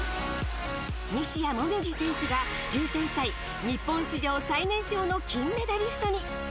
西矢椛選手が１３歳、日本史上最年少の金メダリストに。